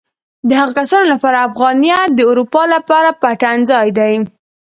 د هغو کسانو لپاره افغانیت د اروپا لپاره پټنځای دی.